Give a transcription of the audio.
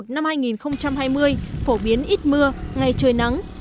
năm hai nghìn hai mươi phổ biến ít mưa ngày trời nắng